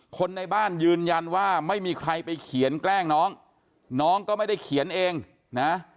คนในบ้านยืนยันว่าไม่มีใครไปเขียนแกล้งน้องน้องก็ไม่ได้เขียนเองนะ